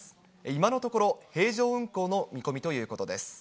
今のところ、平常運航の見込みということです。